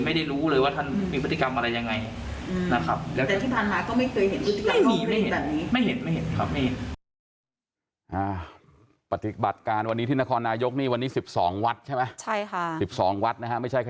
ไม่รู้เลยว่าท่านมีพฤติกรรมอะไรยังไงนะครับ